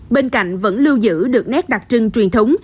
bên cạnh vẫn lưu giữ được nét đặc trưng truyền thống